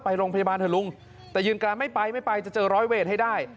ไปโรงพยาบาลเถอะลุงแต่ยืนกลางไม่ไปไม่ไปจะเจอร้อยเวทให้ได้